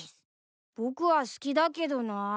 僕は好きだけどな。